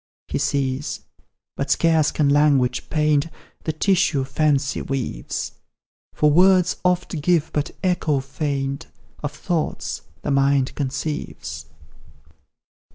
He sees but scarce can language paint The tissue fancy weaves; For words oft give but echo faint Of thoughts the mind conceives.